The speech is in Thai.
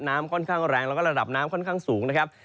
น้ำค่อนข้างแรงแล้วก็ระดับน้ำค่อนข้างสูงนะครับ